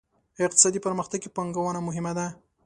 اقتصادي پرمختګ کې پانګونه مهمه ده.